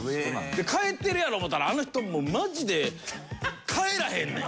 帰ってるやろ思うたらあの人もうマジで帰らへんねん。